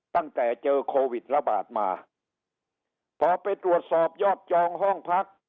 ตั้งแต่เจอโควิดระบาดมาพอไปตรวจสอบยอดจองห้องพัก